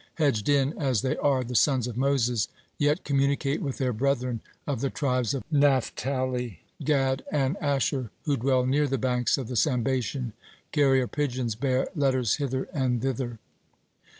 Hedged in as they are, the Sons of Moses yet communicate with their brethren of the tribes of Naphtali, Gad, and Asher, who dwell near the banks of the Sambation. Carrier pigeons bear letters hither and thither.